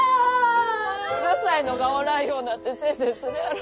うるさいのがおらんようになって清々するやろ。